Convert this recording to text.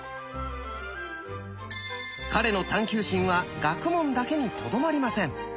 彼の探求心は学問だけにとどまりません。